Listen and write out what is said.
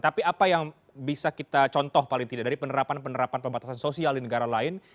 tapi apa yang bisa kita contoh paling tidak dari penerapan penerapan pembatasan sosial di negara lain